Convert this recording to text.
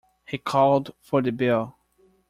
He called for the bill.